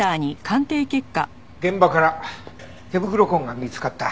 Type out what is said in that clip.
現場から手袋痕が見つかった。